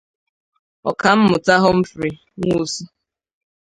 Ọkammụta Humphrey Nwosu